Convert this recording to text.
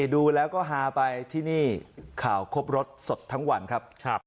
ดูแล้วก็ฮาไปที่นี่ข่าวครบรสสดทั้งวันครับ